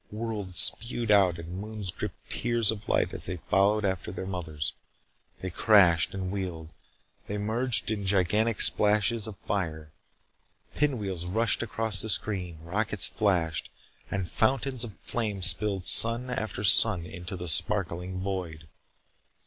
Worlds spewed out and moons dripped tears of light as they followed after their mothers. They crashed and wheeled. They merged in gigantic splashes of fire. Pinwheels rushed across the screen. Rockets flashed. And fountains of flame spilled sun after sun into the sparkling void.